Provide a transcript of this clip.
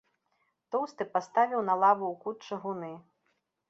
Тоўсты паставіў на лаву ў кут чыгуны.